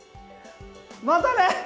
またね！